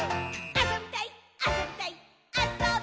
あそびたいっ！！」